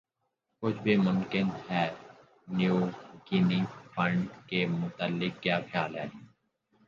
کچھ بھِی ممکن ہے نیو گِنی فنڈ کے متعلق کِیا خیال ہے